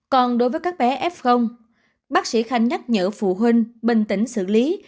còn đối với các bé f bác sĩ khanh nhắc nhở phụ huynh bình tĩnh xử lý